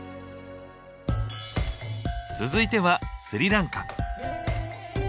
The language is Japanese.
続いてはスリランカ。